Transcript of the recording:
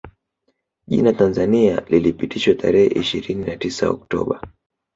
Jina Tanzania lilipitishwa tarehe ishirini na tisa Oktoba